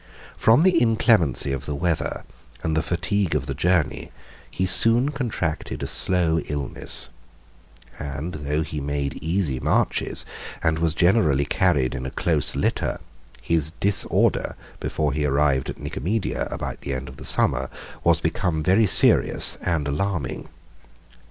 From the inclemency of the weather, and the fatigue of the journey, he soon contracted a slow illness; and though he made easy marches, and was generally carried in a close litter, his disorder, before he arrived at Nicomedia, about the end of the summer, was become very serious and alarming.